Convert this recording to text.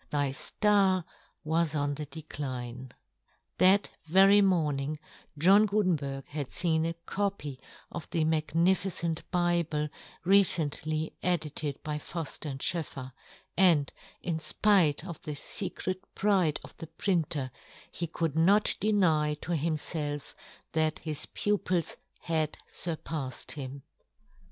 Thy ftarwas on the decline. That very morning John Guten berg had feen a copy of the magni ficent Bible recently edited by Fuft and SchoefFer, and, in fpite of the fecret pride of the printer, he could not deny to himfelf that his pupils had furpafled him.